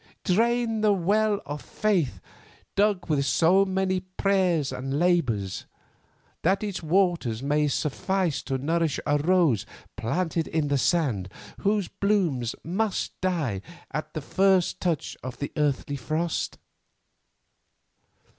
Drain the well of faith dug with so many prayers and labours, that its waters may suffice to nourish a rose planted in the sand, whose blooms must die at the first touch of creeping earthly frost?